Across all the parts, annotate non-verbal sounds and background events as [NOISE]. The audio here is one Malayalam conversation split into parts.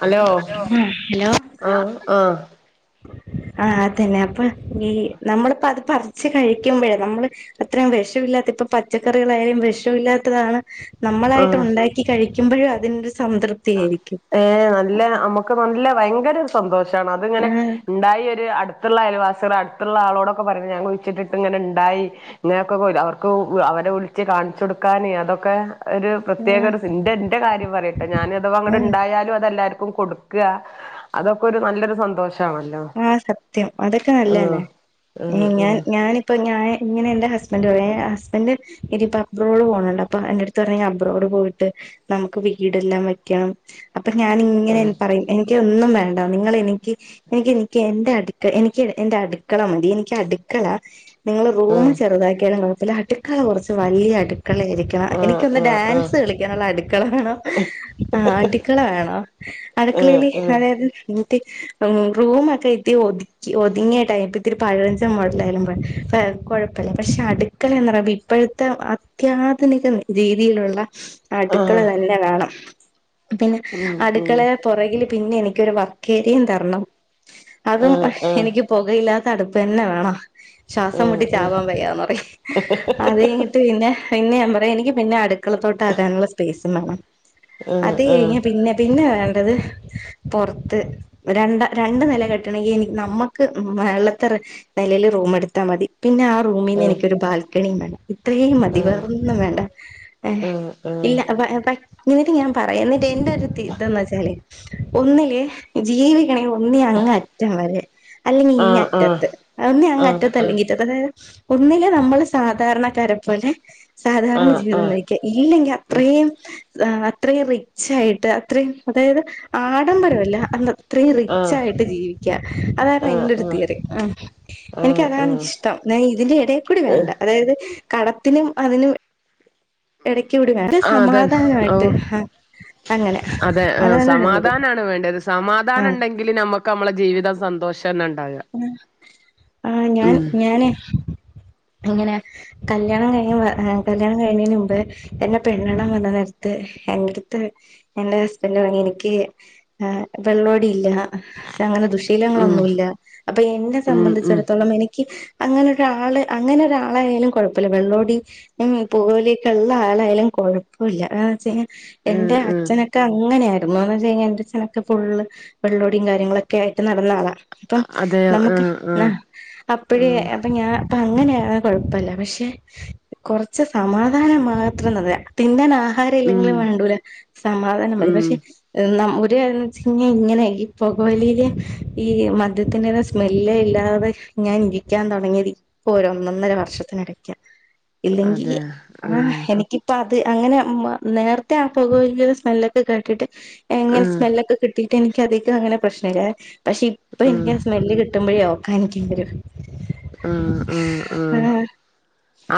ഹലോ ആഹ് ആ ആ ആ അതന്നെ അപ്പൊ ഈ നമ്മളിപ്പോ അത് പറച്ച് കഴിക്കുമ്പോഴേ നമ്മള് അത്രയും വിഷമില്ലാത്ത ഇപ്പ പച്ചക്കറികളായാലും വിഷമില്ലാത്തതാണ് നമ്മളായിട്ട് ഉണ്ടാക്കി കഴിക്ക ക്കുമ്പഴും അതിന്റെ ഏ് നല്ല നമുക്ക് നല്ല ഭയങ്കര സന്തോഷണ് അങ്ങനെ ആഹ് ഉണ്ടായി അടുത്തുള്ള അയലവാസികൾ അടുത്തുള്ള ആളോടൊക്കെ പറയഞ് ഞങ്ങൾ കുയിച്ചിട്ടിട്ട് ഇങ്ങനെ ഉണ്ടായി ഇങ്ങനെയൊക്കെ അവർക്ക് അവരെ വിളിച്ച് കാണിച്ചു കൊടുക്കന് അതൊക്കെ ഒരു പ്രത്യേക ഒരു സി എന്റെ കാര്യം പറയട്ടെ ഞാനിത് അഥവാ ആഹ് ഇണ്ടായാലും അതല്ലും കൊടുക്ക അതൊക്കെ നല്ലൊരു സന്തോഷം ആ സത്യം അതൊക്കെ ആഹ് നല്ലന്നെ ആഹ് ഞാൻ ഞാനിപ്പോ ഞൻ ഇങ്ങനെ എന്റെ ഹസ്ബന്റ് ഹസ്ബന്ഡറ് ഇനിയിപ്പ അബ്രോഡ് പോകണണ്ടോ അപ്പൊ എന്റെറ അടുത്ത് പറ അബ്രോഡ് പോയിട്ട് നമുക്ക് വീടെല്ലാം വെക്കണം അപ്പൊ ഞാനിങ്ങനെ പറയും എ ഒന്നും വേണ്ട നിങ്ങള എനിക്ക് എനിക്ക് എനിക്ക് എന്റെ അടുക്ക എനിക്ക് എന്റെ അടുക്കള മതി എനിക്ക് അടുക്കള റൂം ആഹ് ചെുതാക്കിയാലും അതില അടുക്കള കുറച്ച് വലിയ അടുകള അടുക്കളരിക്കണം ആഹ് ആഹ് എനിക്കൊന്ന് ആഹ് ആഹ് ആഹ് ഡാൻസ് കളിക്കാനുള്ള അടുക്കള വേണോ ആ അടുക്കള വേണോ അടുക്കളയില് ആഹ് ആഹ് അതായത് ഹ് റൂമൊക്കെ ഇത്തി ഒതുക്കി ഒതുങ്ങിട്ടായിപ്പ ഇത്തിരി പഴഞ്ച മോഡല ആയാലും കുഴപ്പമില്ല പക്ഷെ അടുക്കള എന്ന് പറയുമ്പോ ഇപ്പോഴത്തെ അത്യാധുനിക രീതിയിലുള്ള അടുക്കള ആഹ് തന്നെ വേണം പിന്നെ ഉം ഉം അടുക്കളെ പുറകിൽ പിന്നെ എനിക്കൊരു വർക്കേറിയ വേണം കണം അതും ആഹ് ആഹ് എനിക്ക് പുകയില്ലാ അടുപ്പ് തന്നെ വേണം ശ്വാസം ആഹ് മുട്ടിച്ചാവാൻ വയ്യന്നു പറയും അത് കഴിഞ്ഞിട്ട് പിന്നെ പിന്നെ പറയാ എനിക്ക് പിന്നെ അടുക്കളത്തോട്ടം ആകാനുള്ള സ്പേസും വേണം ആഹ് ആഹ് അത് കഴിഞ്ഞ പിന്നെ പിന്നെ അത് പൊറത്ത് രണ്ട രണ്ട് നില കെട്ടണമെങ്കിൽ എനിക്ക് നമ്മുക്ക് മുകളിലത്തെ നിലെൽ റൂം എടുത്താൽ മതി പിന്നെ ആ റൂമിൽ നിന്ന് എനക്ക് ഒരു ബാല് പിന്നെ ഇത്രയും മതി വേറെ ആഹ് ഒന്നും വേണ്ട ആഹ് ഇല്ല എന്നിട്ട് ഞാൻ പറയാന്ന എൻ്റെ ഒരു ഇതന്ന് വെച്ചാല് ഒന്നില് ജീവിക്കണെങ്കി ഒന്നി അങ്ങ് അറ്റം വരെ അല്ലെങ്കിൽ ഇങ്ങ ആഹ് ആഹ് അറ്റത്ത് അതൊന്ന ആഹ് ആഹ് ആഹ് ആഹ് ആഹ് ആഹ് ആഹ് ആഹ് അങ്ങറ്റത്ത് ഇല്ലെങ്കി ഇങ്ങറ്റത്ത് അതായത് ഒന്നില് നമ്മള് സാധാരണ കാരേ പോലെ സാധാരണ ജീവിതംനയിക്ക ഇല്ലെങ്കിൽ അത്രയും അത്രയും റിച്ച് ആയിട്ട് അത്രയും അതായത് ആഡംബരമല്ല അ അത്രയും റച്ച് ആായിട്ട് ജീവിക്ക ആഹ് അതായിരുന്നു ആഹ് എന്റെ ഒരു തിയറി ഉം ആഹ് എനക്കതാണ് ആഹ് ഇഷ്ടം ഞാൻ ഇതിൻ്റെ ഇടയിൽക്കൂടി ഏഹ് വേണ്ട ആഹ് അതായത് കടത്തിനും അതിനും ഇടയ്ക്ക് അതെ സമാധാനമായിട്ട് ഓഹ് ആ അങ്ങനെ അതെ ആഹ് അതാണ് നല്ലത് സമാധാനാണ് വേണ്ടത് ആ സമാധാനം ഉണ്ടെങ്കില് നമുക്ക് നമ്മളെ ജീവിതം സന്തോഷംന്നെ ആ ആ ഞാൻ ഞാന് ഇങ്ങനെ കല്യാണം കഴിഞ്ഞ കല്യാണം കഴിഞ്ഞതിന് മുൻപ് എന്റെ പെണ്ണുകാണാൻ വന്ന നേരത്ത് എന്റെടുത്ത് എന്റെ ഹസ്ബൻഡ് പറഞ്ഞു എനിക്ക് വെള്ളോടിയില്ല അങ്ങനെ ഉം ദുശീലങ്ങളൊന്നുമല്ല അപ്പൊ എന്നെ ഉം ഉം സംബന്ധിച്ചിടത്തോളം എനിക്ക് അങ്ങനെൊരാൾ അങ്ങനെൊരാളായാലും കുഴപ്പമില്ല വെള്ളോടി പൂവോലിയൊക്കെ ഉള്ള ആളായാലും കുഴപ്പമില്ലന്ന് വെച്ച് കഴിഞ്ഞാൽ എന്റെ ആഹ് ആഹ് അച്ഛനൊക്കെ അങ്ങനെയായി ന്ന് വെ കഴിഞ്ഞാ എന്റെറെനക്ക് ഫള് വള്ളോടും കാര്യങ്ങളൊക്കെ ആയിട്ട് നടന്നാളാം അതെ ആഹ് നമക്ക് ആ ആഹ് അപ്പഴേ ആഹ് അപ്പൊ ഞാൻ അപ്പ അങ്ങനെയണ കുഴപ്പല്ല പക്ഷെ കുറച്ച് സമാധാനം മാത്രം തിന്നനാ ഉം ല്ലെങ്കിലും വേണ്ടല സമാധാന മതി ഉം പക്ഷെ ഇങ്ങനെഈ പൊോലെ ഈ ആദ്യത്തിറേത സ്മെല് ഇല്ലാതെ ഞാൻ ഇരിക്കാൻ തുടങ്ങിയത് ഇപ്പോൊ ഒരു ഒന്നൊന്നര വർഷത്തിനിടയ്ക്ക്ാണ് ഇല്ലെങ്കി അതെ ആഹ ആഹ് എനക്ക്ിപ്പ അത് അങ്ങനെ നേരത്തെ ആ പോകുമെങ്കിൽ സ്മെല്ലൊക്കെ കേട്ടിട്ട് എങ്ങനെ ആഹ് സ്മെല്ലൊക്കെ കിട്ടി എനിക്ക അധികം അങ്ങനെ പ്രശ്നില്ല പക്ഷെ അപ്പ എനിക്ക് സ്മെല് കട്ടി കിുമ്പഴ ഓക്കാ എനിക്കരും ആഹ ഉ ഉഹ ആഹ്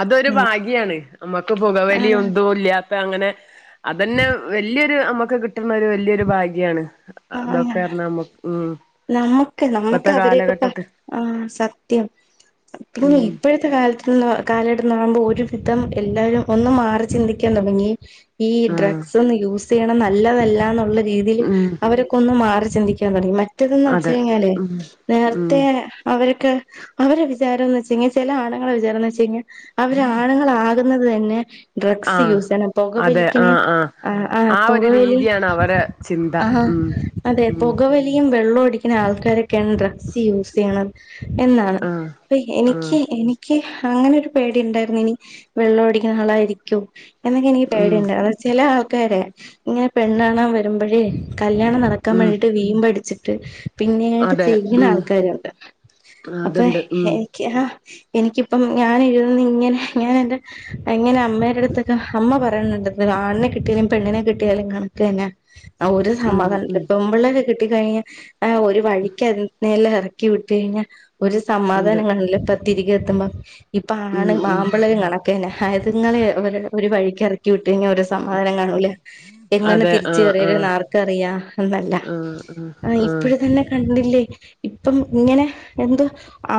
അതൊരു ആഹ് ഭാഗ്യിയാണ് നമ്മുക്ക് പുകവലിയ എതുും ഇല്ല അപ്പം അങ്ങനെ അതന്നെ വലിയ ഇത് നമുക്ക് കിട്ടുന്ന വലിയൊരു ഭാഗ്യാണ് അതൊക്കെണാമക്ക് ഉം നമുക്ക് നമുക്ക് ഇപ്പത്തെ അവരെയൊക്കെ കാലഘട്ടത്ത് ആ സത്യം പിന്നെ ഉം ഇപ്പോഴത്തെ കാലത്തി നിന്ന് കാലഘടുന്നാകുമ്പോ ഒരു വിധം എല്ലാരും ഒന്ന്ും മാറി ചിന്തിക്കാൻ തുടങ്ങി ഈ ആഹ് ഡ്രഗ്സ് ഒന്ന് യൂസ് ചെയ്യണം നല്ലതല്ലാന്നുള്ള രീതിൽ ഉം അവരൊക്കെ ഒന്ന് മാറി സിന്ിക്കാൻടിയുമെ പറ്റതന്ന് വെച്ച അതെ കഴിഞ്ഞാല് ഉം ഉം നേരത്തെ അവർ [INAUDIBLE] അവരെ വിചാരം എന്ന് വച്ച കഴിഞ്ഞാ ചില ആണങ്ങളെ വിചാരം എന്ന് വെച്ചുകഴിഞ്ഞ അവരാ ആണുങ്ങളൾാകുന്നത് തന്നെ ഡ്രഗ്സ് ആഹ് യൂസ് അതെ പുകവലിക്കിന ആഹ് ആഹ് ആ ഒരു പുകവലി രീതിയാണ് അവരെ ചിന്ത ആ ഉം അതെ ഉം പുകവലി വെള്ളം അടിക്കുന്ന ആൾക്കാരൊക്കെയാണ് ഡ്രസ് യൂസ് ചെയ്യണത് എന്നാണ് ആഹ് അപ്പൊ എനിക്ക് ആഹ് എനിക്ക് [INAUDIBLE] അങ്ങനെ ഒരു പേടി ഉണ്ടായിരുന്നു ഇനി വെള്ളഅടിക്കുന്ന ആളായിരിക്കുവോ എന്നൊക്കെ എനിക്ക് ഉം പേടിയുണ്ട് അ ചില വിട്ടുക്കാരെ ഇങ്ങനെ പെണ്ണാണാൻ വരുമ്പോഴേ കല്യാണം നടക്കാൻ ഉം വേണ്ടിട്ട് വീമ്പടി ച്ചിട്ട് പിന്നീട്ട് അതെ ചെയ്യുന്ന ഉം ആൾക്കാരുണ്ട് അപ്പൊ അതുണ്ട് ഉം എനിക്ക് ആ എനിക്കിപ്പം ഞാൻ എഴുത ഇങ്ങനെ ഞാൻ എന്റെ എങ്ങനെ അമ്മേടെഅടുത്തേക്ക് അമ്മ പറഞ്ഞ ആണിനെ കിട്ടിയാലും പെണ്ണിനെ കിട്ടിയാലും കണക്ക് തന്നെ ആ ഒരു ഉം സമാധാനം ഉം ഇല്ലപ്പാ പെൺപിള്ളേരെ കെട്ടിക്കഴിഞ്ഞാ [UNINTELLIGIBLE] ആ ഒരു വഴിക്ക് [INAUDIBLE] ക്കി വിട്ട് കഴിഞ്ഞാ ഒരു അതെ സമാധാന [INAUDIBLE] തിരികെ എത്തുബം ഇപ്പ ഉം ആണ് ഉം ആൺപിള്ളേരും കാണാക്ക് തന്നെ ആതുങ്ങളെ ഒരു വഴികികേറ കി വിട്ട് കഴിഞ്ഞ ഒരു സമാധാനം കാണൂല എങ്ങനെ അതെ തിരിച്ച് ആഹ് ആഹ് കേറിവരുന്ന് ആർക്കറിയ എന്നല്ല ആഹ് ആഹ് ഇപ്പോഴ ആഹ് തന്നെ കണ്ടില്ല ല്ലേ ഇപ്പം ഇങ്ങനെ എന്തോ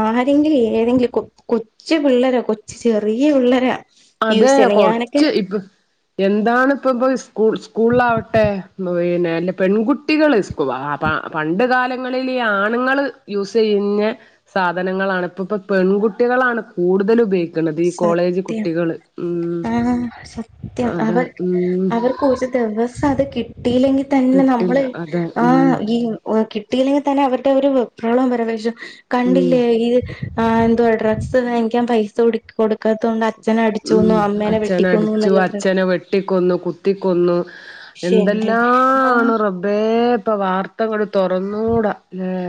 ആരെങ്കിലും ഏതെങ്കിലും കൊ കൊച്ചു പിള്ളര കൊച്ച് ചെറിയ പിള്ളരോ അതെ കൊറച്ച് ഇപ്പ എന്താണ് ഇപ്പ ഇ സ്കൂ സ്കൂളില ആവട്ടെ പിന്നെല്ല പെൺകുട്ടികൾ പാ പണ്ട് കാലങ്ങളിൽ ഈ ആണുങ്ങളെ യൂസ് ചെയ്യുന്ന സാധനങ്ങളാണ് ഇപ്പ ഇപ്പ പെൺകുട്ടികളാണ് കൂടുതൽ ഉപയോഗിക്ക ഗണതി കോളേജ് കുട്ടി - ആഹ സത്യം അതെ അവർ ഉം അവർക്ക് ഒരു ദിവസം അത് കിട്ടി കിട്ടിയില്ലെങ്കിൽ തന്നെ കിട്ടില്ല നമ്മള് അതെ ആ ഉം ഈ കി കിട്ടിയില്ലെകിലെ തന്നെ അവടെ ഒരു വെപ്രാളം പരാവേഷം കണ്ടില്ലേ ഉം ഇത് ആഹ എന്തുവാ അ ഡ്രസ് വാങ്ങിക്കാൻ പൈസ കുടുക്ക് ഉം അച്ഛന വെട്ടിക്കൊന്നു അടിച്ചു എന്നല്ല പറ അച്ഛനെ വെട്ടിക്കൊന്നു കുത്തി- കൊന്നു പക്ഷെ എന്റെ ആ എന്തെല്ലാണ് റബബേ ഇപ്പൊ വാർത്ത കൂടി തുറന്നുകൂടാ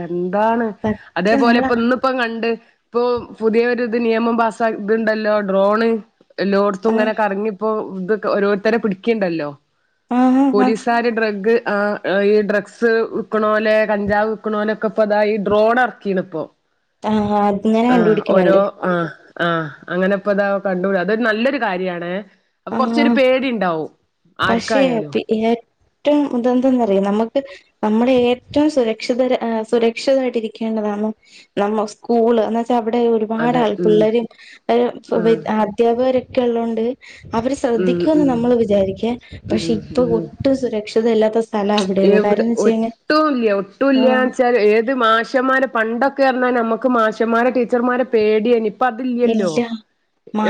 അതാണ് സത്യം അതേപോലെ നമ്മള് ഇന്ന്പ്പം കണ്ട് ഇപ്പൊ പുതിയ ഒരു ഇത് നിയമം പാസ്സാകിട്ടുണ്ടാലോ റോള് ആഹ് എല്ലോടത്തുങ്ങനെ കറങ്ങി ഇപ്പോ ഇതൊക്കെ ഓരോര്തരെ പിടിക്ക്‌ണ് ണ്ടല്ലോ ആഹ് ആഹ് പോലീസാര് ഡ്രഗ് ആഹ് ഈ ഡ്രഗ്സ് വ്ക്ക്‌ണോലേ കഞ്ചാവ് വ്ക്ക്‌ണോലൊക്കെ ഇപ്പൊ താ ഈ ഡ്രോൺ എർക്കീണ് പ്പോ ആഹ അത്ങ്ങനെ കണ്ടുപിടിക്ക്‌ണ് ണ്ട് ആഹ് ആഹ് അങ്ങ് ഇപ്പ താ കണ്ടൂല അതൊരു നല്ലൊരു കാര്യാണേ അപ്പൊ കൊറച്ചൊരു പേടി ണ്ടാവും പക്ഷെ [UNINTELLIGIBLE] ഏറ്റവും തെന്തെന്നറിയോ നമ്മക്ക് നമ്മളെ ഏറ്റവും സുരക്ഷിത സുരക്ഷിതായിട്ട് ഇരിക്കേണ്ടതാണ് നമ്മ സ്കൂള് എന്നച്ചാ അവിടെ ഒരുപാട് അതെ ആൾ ഉം പിള്ളരും ആഹ് അധ്യാപകരൊക്കെ എനിക്ക് എല്ലാം ഉണ്ട് അവര് ഉം ശ്രദ്ധിക്കൂന്ന് ഉം നമ്മള് വിചാരിക്കും ഉം പക്ഷെ ഇപ്പൊ ഉം ഒട്ടും സുരക്ഷതല്ലാത്ത എവിടെ ഒട്ടൂല്ല്യാ ആഹ് ഒട്ടൂല്ല്യാവെച്ചാ ഏത് മാഷമാരാ പണ്ടൊക്കെ നമ്മക്ക് മാഷ്യന്മാരെ ടീച്ചർമാരെ പേടി ഇ അതില്ലല്ലോ ഇല്ല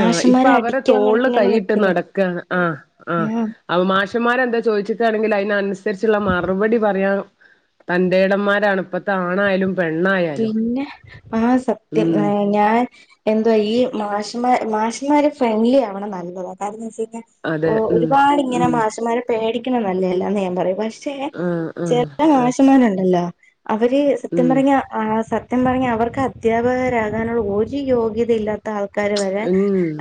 ആ ഇപ്പ അവരെ അടിക്കാൻ തോള് കണക്കിനാണ് കൈയിട്ട് നിക്കുന്നത് നടക്ക ആഹ് ആഹ് ആ അവ മാഷന്മാരെ എന്താ ചോദിച്ചിട്ട ആ എങ്കിൽ അതിനു അനുസരിച്ചു അനുസരിച്ച്ള്ള മറുപടി പറയാൻ തന്റെടന്മാരാണ് ഇപ്പത്തെ ആണായാലും പെണ്ണായാലും പിന്നെ ആഹ് സത്യം ഉം ഏ ഞാൻ എന്തുവാ ഈ മാഷന്മാര് ഫ്രണ്ട്ലി ആവണം നല്ലതാ കാരണം ന്നാ വെച്ചൽ അതെ ഓ ഉം ഒരുപാടിങ്ങനെ ഉം മാഷുംമ്മാരെ പേടി നല്ലതല്ലാന്ന് ഞാപറയും പഷ് ആഹ് ചെല ആഹ് ആഹ് മാഷമ്മാര്ണ്ടല്ലോ അവര് സത്യം ഉം പറഞ്ഞാ ആഹ് സത്യം പറഞ്ഞാ അവർക്ക് അധ്യാപകരാകാന്ള്ള ഒരു യോഗ്യതയില്ലാ ത്ത ആൾക്കാര് വരെ ഉം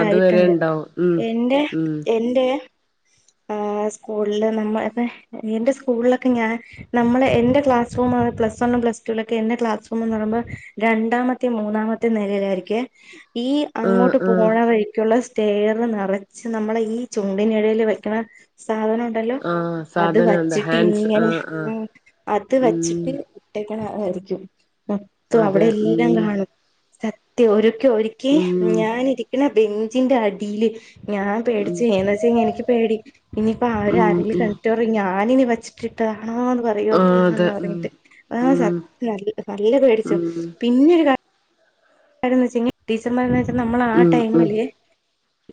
അതുവരെ ഉണ്ടാവും ഉം എന്റെ ഉം എന്റെ ആഹ് സ്കൂളില് നമ്മ എന്റെ സ്കൂളിലൊക്കെ ഞാൻ നമ്മള് എന്റെ ക്ലാസ് റൂംപ്ലസ് വണ്ണും പ്ലസ് റ്റൂ ലൊക്കെ എന്റെ ക്ലാസ് റൂമ്ന്ന് പറയുമ്പോ, രണ്ടാമത്തെ മൂന്നാമത്തെ നിലയിലായിരിക്കു മേ ഈ ആഹ് അങ്ങോട്ട് ആഹ് പോണ വഴിക്കുള്ള സ് തേർ നിറച്ച് നമ്മള ഈ ചുണ്ടിനഴയില് വെക്കണ സാധനം ഉണ്ടല്ലോ ആഹ് അത് സാധനണ്ട് വച്ചിട്ട് ഹാൻഡ്സ് ഇങ്ങനെ ആഹ് ആഹ് അത് വച്ചിട്ട് ഉം ഇ [UNINTELLIGIBLE] ആയിരിക്കും മൊത്തം അവിടെ അതെ എല്ലാം ഉം കാണും. സത്യം, ഒരു ഒരിക്കി ഉം ഞാനിരിക്കുന്ന ബെഞ്ചിന്റെ അടിയില് ഞാൻ പേടിച്ചു എന്നു വച്ചാ എനിക്ക് പേടി. ഇനിയിപ്പ ആര് ഉം ആരേലും ഉം കണ്ടിട്ടു പറയും ഞ ഞാനിനി വെച്ചിട്ടിട്ട ആന്ന് പറയോ ബാ ആഹ് അതെ ഉം പറഞ്ഞിട്ട് ആ ഉം സത്യ ന നല്ല പേടിച്ചു, ഉം പിന്നെ [UNINTELLIGIBLE] ഒരു കാര്യന്ന്വെച്ച്ങ്കിടീച്ചർമാ നമ്മള് ആ ഉം ഉം ടൈമില്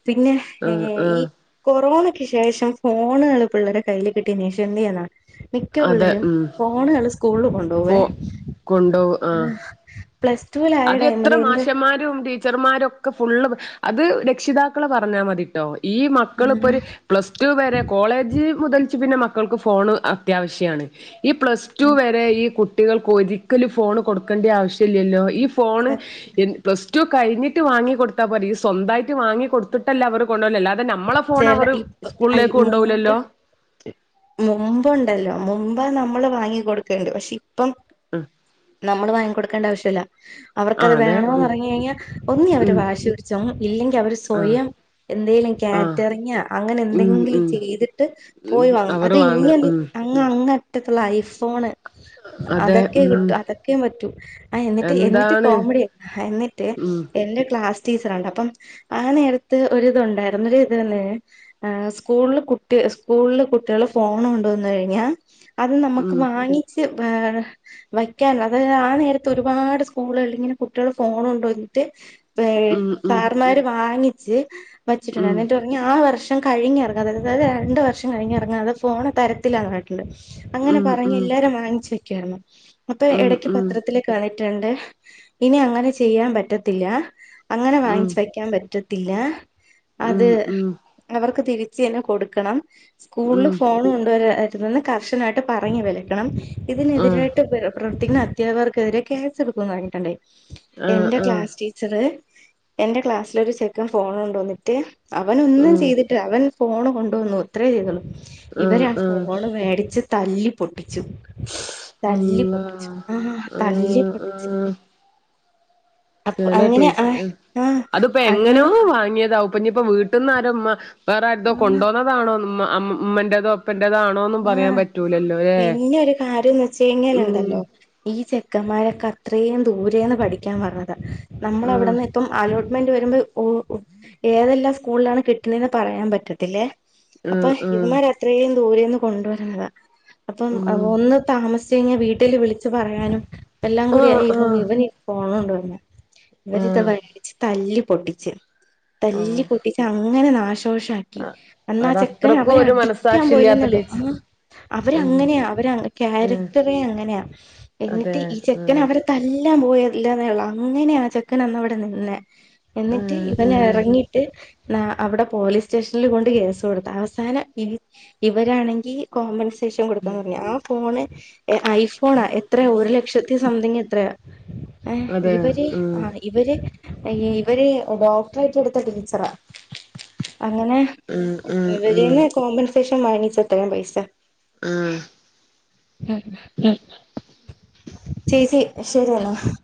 പിന്നെ ആഹ് ഈ ആഹ് കൊറോണ ക്ക് ശേഷം ഫോണുകള് പിള്ളരെ കയ്യിൽ കിട്ടിയന് ശേഷം എന്ത് ചെയ്യനാ മിക്ക അതെ പിള്ളേരും ഉം ഫോണുകള് സ്‌കൂ സ്കൂളിൽ കൊണ്ടു പോവേ പോ കൊണ്ടോവും ആഹ് പ്ലസ് ടൂല അത് എത്ര മാഷന്മാരും ടീച്ചർമാരും ഒക്കെ ഫുള്ള് അത് രക്ഷിതാക്കളെ പറഞ്ഞാൽ മതിട്ടോ ഈ മക്കളിപ്പോ ഒരു എന്റെ പ്ലസ് ടു വരെ കോളേജ് മുതൽ പിന്നെ മക്കൾക്ക് ഫോൺ അത്യാവശ്യാണ് ഈ പ്ലസ് ടു വരെ ഈ കുട്ടികൾ ഒരിക്കലും ഫോൺ കൊടുക്കേണ്ട ആവശ്യമില്ലല്ലോ ഈ ഫോണ് ഫോൺ ൻ പ്ലസ് പ്ലസ് ടു കഴിഞ്ഞിട്ട് വാങ്ങി കൊടുത്താൽ പോരെ ഈ സ്വന്തമായിട്ട് വാങ്ങി കൊടുത്തിട്ടല്ലേഅവര് കൊണ്ടോവ്ന്ന് അല്ലാതെ നമ്മളെ ഫോൺ ചെല അവർ ഇപ്പ സ്കൂളിലേക്ക് മുമ്പ്, കൊണ്ടുപോകൂലല്ലോ മുമ്പുണ്ടല്ലോ മമ്പേ നമ്മള് വാങ്ങി കൊടുക്കണ്ട് പക്ഷേ ഇപ്പം ഉം നമ്മൾ വാങ്ങി കൊടുക്കേണ്ട ആവശ്യ ട്ടില്ലാ ആ അവർക്കത് അതെ വേണെന്ന് ഉം പറഞ്ഞു കഴിഞ്ഞാൽ ഒന്നി അവര് ഉം വാശി പിടിച്ച് വാങ്ങും ഇല്ലെങ്കിൽ അവര് ആ സ്വയം എന്തേലും ആ ക്യാറ്ററിംഗാ അങ്ങനെ ഉം എന്തെങ്കിലും ഉം ചെയ്തിട്ട് ഉം പോയി വാങ്ങും അവർ അത് ഇങ്ങ വാങ്ങ [UNINTELLIGIBLE] ഉം അങ്ങ അങ്ങറ്റത്തുള്ള ഐഫോണ് അതെ അതൊക്കെ ഉം കിട്ടു അതൊക്കെയും പറ്റൂ ആ എന്നിട്ട് എന്നിട്ട് എന്താണ് കോമഡിയ എന്നിട്ട് ഉം എന്റെ ക്ലാസ് ടീച്ചറണ്ട് അപ്പം ആ നേരത്ത് ഒരിതുണ്ടായി [UNINTELLIGIBLE] ആ സ്കൂളില് കുട്ടി സ്കൂളില് കുട്ടികള് ഫോൺ കൊണ്ടുവന്നു കഴിഞ്ഞാൽ അത് നമുക്ക് ഉം വാങ്ങിച്ച് വേ വയ്ക്കാന അതായത് ആ നേരത്തെ ഒരുപാട് സ്കൂളിങ്ങനെ കുട്ടികൾ ഫോൺ കൊണ്ട് വന്നിട്ട് ഏ ഉം ഉം സാർമ്മാര് വാങ്ങി ച്ച് ച്ചിട്ടുണ്ട് ഉം എന്നിട്ട് [UNINTELLIGIBLE] ആ വർഷം ട്ടം കഴിഞ്ഞ് ഇറങ്ങാതെ [UNINTELLIGIBLE] രണ്ട് വർഷം കഴിഞ്ഞിറങ്ങാതെ ഫോണ് തരത്തില്ലാന്ന് പറഞ്ഞിട്ട് ണ്ട് അങ്ങനെ ഉം ഉം പറഞ്ഞ ഉം എല്ലാരും വാങ്ങിച്ച ക്കെ എറങ്ങും അപ്പൊ ഉം ഇടക്ക് പത്രത്തില് കാണ ട്ടുണ്ട് ഇനി അങ്ങനെ ചെയ്യാൻ പറ്റത്തില്ല അങ്ങനെ ഉം വാങ്ങിച്ച് വയ്ക്കാൻ പറ്റ ത്തില്ല അത് ഉം ഉം അവർക്ക് തിരി ച്ച് ന്നെ കൊടുക്കണം സ്കൂളിൽ ഉം ഫോണ് കൊണ്ടുവരാ എന്ന് കർശനായിട്ട് പറഞ്ഞു വെലക്കണം ആഹ് ഇതിനെതിരായിട്ട് പ്രവർത്തിക്കുന്ന അധ്യപകർക്കെതിരെ കേസ എടുക്കുന്ന് പറഞ്ഞിട്ടുണ്ട് ആഹ് എന്റെ ആഹ് ക്ലാസ് ടീച്ചറ് എന്റെ ക്ലാസ്സിലൊ ഒരു ചെക്കൻ ഫോൺ ഉണ്ടോന്നിട്ട് ട്ട് അവന ഒന്നും ഉം ചെയ്തിട്ടില്ല അവൻ ഫോണ് കൊണ്ടുവന്നു എത്രേ ചെയ്തുള്ളൂ ആഹ് ഇവരാ ആഹ് ഫോണ് മേടിച്ച തല്ലിപ്പൊ പൊട്ടിച്ചു തല്ലി അള്ളാ പൊട്ടിച്ചു ആ തല്ലി ആഹ് പൊട്ടിച്ചു അപ്പൊ ചല അങ്ങനെ ആ ടേസ് ആഹ് അതിപ്പോ എങ്ങനെയോ അങ്ങനെ വാങ്ങിയതാവ ഇപ്പൊ വീട്ട്ന്നാരോ ആരോമ്മ വേറര്തോ ആഹ് കൊണ്ടോന്നതാണോ മ്മ അമ് മന്റതോ പ്പന്റതോ ആഹ പിന്നെ ഒരു കാര്യംന്ന് ഉം വെച്ചയ്ഞാൻണ്ടല്ലോ ഈ ചെക്കന്മാരൊ ക്കത്രയും ദൂരേന്ന് പഠിക്കാൻ പർഞ്ഞ ക്ക നമ്മൾ ആഹ് അവിടന്ന് ഇപ്പം അലോട്ട്മെന്റ് വരുമ്പോ ഓ ഓ ഏതെല്ലാം സ്കൂളിലാണ് കിട്ടുന്നെന്ന് പറയാൻ പറ്റത്തില്ലേ അപ്പൊ ആഹ് ആഹ് ഇവന്മാർ അത്രെയേം ദൂരെന്ന് കൊണ്ടുവരുന്നത അപ്പം ഉം ഒന്ന് താമസ് ച്ചെയ്ഞ്ഞാ വീട്ടില് വിളിച്ച് പറയാനും എല്ലാം ആഹ് കൂടിയായി ആഹ് ഇവന് ഫോണ് ഇവരിതാ ആഹ് [UNINTELLIGIBLE] തല്ലി പൊട്ടിച്ച് തല്ലി ആഹ് പൊട്ടിച് അങ്ങനെന മോഷാക്കി ആഹ് അന്നാ ചെക്കൻ അതത്രക്കും അവരെ ഒരു അടിക്കാൻ മനസ്സാക്ഷി ഇല്ലാത്ത പോയില്ലെന്നേള്ളു ടീച്ച അ ഉം അവരങ്ങനെയാ അവര് ഏഹ് ക്യാരക്ടറെ അങ്ങനെയാ അതെ എന്നിട്ട് ഈ ചെക്കൻ ആഹ് അവരെ തൽ ല്ലാൻ പോയല്ലാന്നേ ഒള്ളു അങ്ങനെ ആ ചെക്കൻ അന്ന് അവിടെ നിന്നെ എന്നിട്ട് ആഹ് ഇവന് ആഹ് എറങ്ങിട്ട് ന്നാ അവിടെ പോലീസ് സ്റ്റേഷനിൽ കൊണ്ട് കേസ് കൊട്ത്ത് അവസാനം ഇവരാണെ ഈ കോമൻസ് സേഷം കൊടുക്കണം പറഞ്ഞ് ആ ഫോണ് ഐഫോണാ എത്രയ ഒരു ലക്ഷത്തി സംതിങ് എത്രയ ഏ അതെയോ ഇവര് ഉം അ ഇവര് ഇവര് ഡോക്ടറായിട്ട് എട്ത്ത ടിച് ത്ര അങ്ങനെ ഉം ഉം ഉം ഇവരേന്ന് കോമൺസേഷം മ് മാങ്ങിചെ ഇത്രേം പൈസ ആഹ് ഉം ചേച്ചി ശരി എന്നാ